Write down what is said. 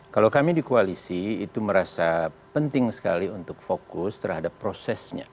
kalau kami di koalisi itu merasa penting sekali untuk fokus terhadap prosesnya